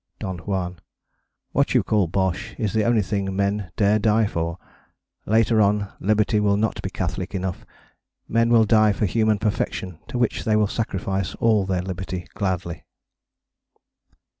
DON JUAN. What you call bosh is the only thing men dare die for. Later on, Liberty will not be Catholic enough: men will die for human perfection, to which they will sacrifice all their liberty gladly.